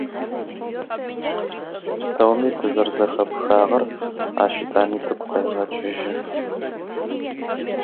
Он также напоминает нам о том, что мы все связаны.